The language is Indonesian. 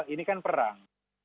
ini kan perang